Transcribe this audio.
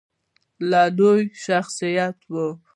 له لومړیو اشخاصو و